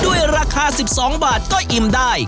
ด้วยราคา๑๒บาทก็อิ่มได้